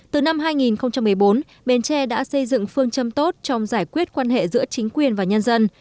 từ năm hai nghìn một mươi bốn bến tre đã xây dựng phương châm tốt trong giải quyết quan hệ giữa chính quyền và nhân dân